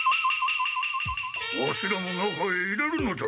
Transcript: ワシらも中へ入れるのじゃ。